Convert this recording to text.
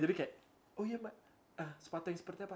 jadi kayak oh iya mbak sepatu yang seperti apa